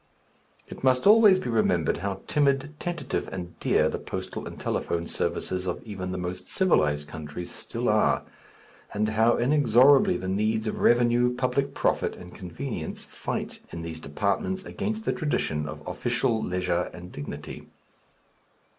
It must always be remembered how timid, tentative, and dear the postal and telephone services of even the most civilized countries still are, and how inexorably the needs of revenue, public profit, and convenience fight in these departments against the tradition of official leisure and dignity.